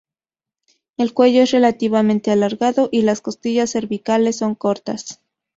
El cuello es relativamente alargado y las costillas cervicales son cortas.